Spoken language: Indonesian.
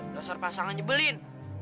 dasar pasangan jebelin